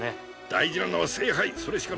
大事なのは聖杯それしかない。